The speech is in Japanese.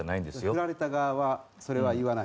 ふられた側は、それは言わない。